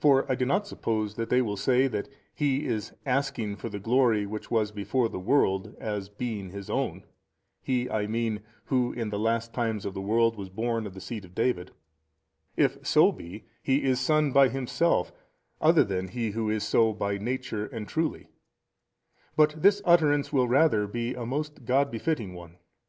For I do not suppose that they will say that he is asking for the glory which was before the world as being his own, he [I mean] who in the last times of the world was born of the seed of David, if so be he is son by himself other than He Who is so by Nature and truly: but this utterance will rather be a most God befitting one.